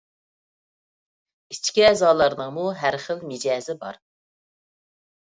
ئىچكى ئەزالارنىڭمۇ ھەر خىل مىجەزى بار.